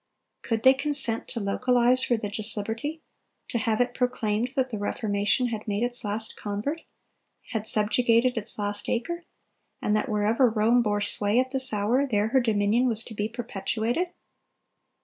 Could they consent to localize religious liberty? to have it proclaimed that the Reformation had made its last convert? had subjugated its last acre? and that wherever Rome bore sway at this hour, there her dominion was to be perpetuated?